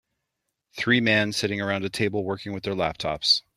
Three man sitting around a table working with their laptops.